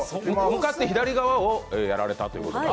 向かって左側をやられたということで。